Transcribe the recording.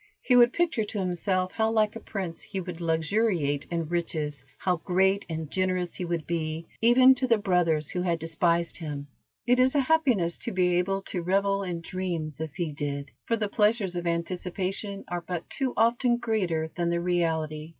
He would picture to himself how like a prince he would luxuriate in riches, how great and generous he would be, even to the brothers who had despised him. It is a happiness to be able to revel in dreams as he did, for the pleasures of anticipation are but too often greater than the reality.